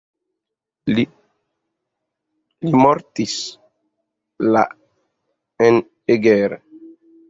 Li mortis la en Eger.